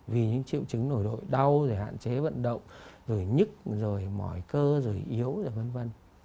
vì những triệu chứng nổi đội đau hạn chế vận động nhức mỏi cơ yếu v v